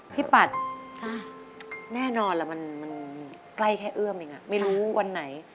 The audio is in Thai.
ปัดแน่นอนล่ะมันใกล้แค่เอื้อมเองไม่รู้วันไหน